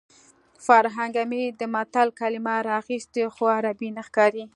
فرهنګ عمید د متل کلمه راخیستې خو عربي نه ښکاري